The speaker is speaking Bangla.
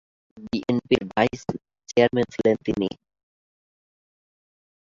বিএনপির ভাইস চেয়ারম্যান ছিলেন তিনি।